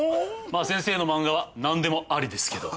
まあ先生の漫画は何でもありですけど。